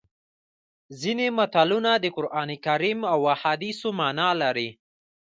ځینې متلونه د قرانکریم او احادیثو مانا لري